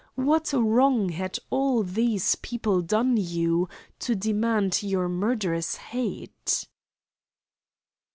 What wrong had all these people done you to demand your murderous hate?"